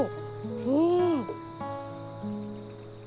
うん！？